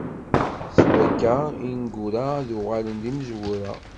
S wakka, ineggura ad uɣalen d imezwura.